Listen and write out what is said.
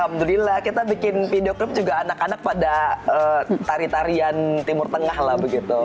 alhamdulillah kita bikin videocrup juga anak anak pada tari tarian timur tengah lah begitu